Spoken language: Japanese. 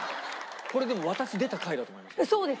これでも私出た回だと思います。